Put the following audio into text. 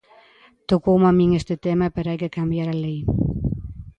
Tocoume a min este tema, pero hai que cambiar a lei.